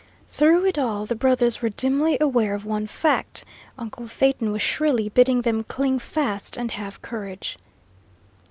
Through it all the brothers were dimly aware of one fact uncle Phaeton was shrilly bidding them cling fast and have courage.